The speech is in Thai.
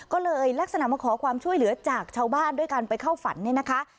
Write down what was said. ก็เลยลักษณะมาขอความช่วยเหลือจากชาวบ้านด้วยการไปเข้าฝันเนี่ยนะคะ